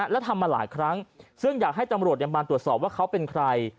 และทำมาหลายครั้งซึ่งอยากให้ตำรวจมาตรวจสอบว่าเขาเป็นใคร